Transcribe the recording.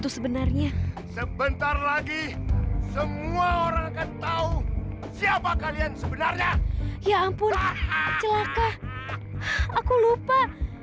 sebenarnya sebentar lagi semua orang akan tahu siapa kalian sebenarnya ya ampun celaka aku lupa